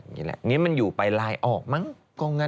อย่างนี้มันอยู่ไปไลน์ออกมั้ง